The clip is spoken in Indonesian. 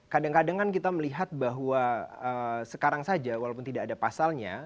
kadang kadang kan kita melihat bahwa sekarang saja walaupun tidak ada pasalnya